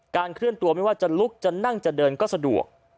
เคลื่อนตัวไม่ว่าจะลุกจะนั่งจะเดินก็สะดวก